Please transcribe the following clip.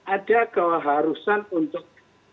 ada keharusan untuk